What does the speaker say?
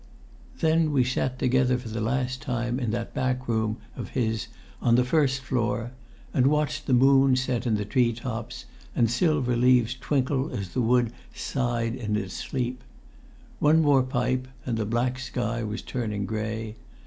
Then we sat up together for the last time in that back room of his on the first floor, and watched the moon set in the tree tops, and silver leaves twinkle as the wood sighed in its sleep. One more pipe, and the black sky was turning grey.